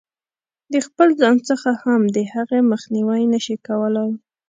د خپل ځان څخه هم د هغې مخنیوی نه شي کولای.